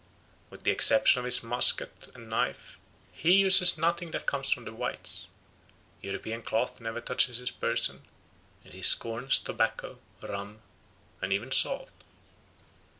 With the exception of his musket and knife, he uses nothing that comes from the whites; European cloth never touches his person, and he scorns tobacco, rum, and even salt.